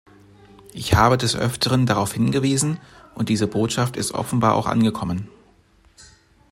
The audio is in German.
Ich habe des öfteren darauf hingewiesen, und diese Botschaft ist offenbar auch angekommen.